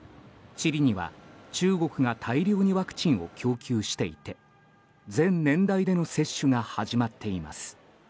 チリには中国が大量のワクチンを供給していて全年代での接種が始まっています。